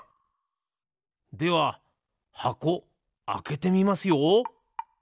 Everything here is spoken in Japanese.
では箱あけてみますよ！